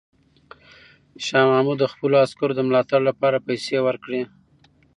شاه محمود د خپلو عسکرو د ملاتړ لپاره پیسې ورکړې.